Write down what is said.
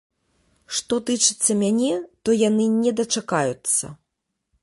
Што тычыцца мяне, то яны не дачакаюцца.